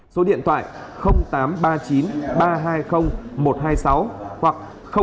số điện thoại tám trăm ba mươi chín ba trăm hai mươi một trăm hai mươi sáu hoặc sáu mươi chín hai nghìn sáu trăm tám mươi một trăm bảy mươi